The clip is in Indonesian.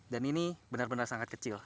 dan ini benar benar sangat kecil